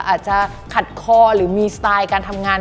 อาจจะขัดคอหรือมีสไตล์การทำงาน